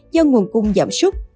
do nguồn cung giảm súc